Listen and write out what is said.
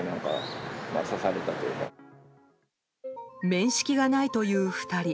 面識がないという２人。